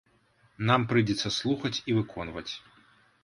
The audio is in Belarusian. Нам прыйдзецца слухаць і выконваць.